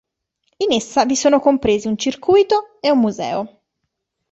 In essa vi sono compresi un circuito e un museo.